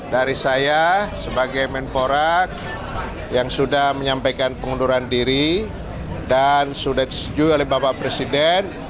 dari saya sebagai menpora yang sudah menyampaikan pengunduran diri dan sudah disetujui oleh bapak presiden